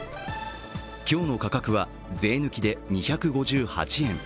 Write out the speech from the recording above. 今日の価格は税抜きで２５８円。